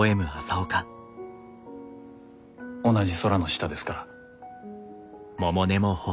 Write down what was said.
同じ空の下ですから。